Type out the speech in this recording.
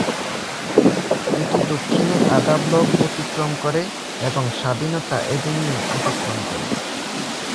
এটি দক্ষিণে আধা ব্লক অতিক্রম করে এবং স্বাধীনতা এভিনিউ অতিক্রম করে।